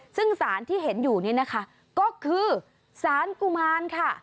ซึ่งสารที่เห็นอยู่นี่นะคะก็คือสารกุมารค่ะ